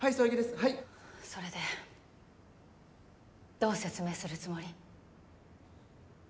はいそれでどう説明するつもり？